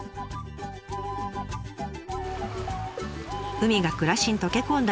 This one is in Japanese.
海が暮らしに溶け込んだ